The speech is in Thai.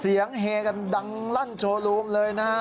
เฮกันดังลั่นโชว์รูมเลยนะฮะ